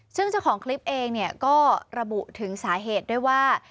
ซึ่งเจ้าของคลิปเองเนี่ยก็ระบุถึงสาเหตุด้วยว่า